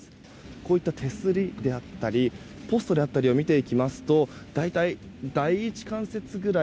こういった手すりであったりポストであったりを見ますと大体、第１関節ぐらい。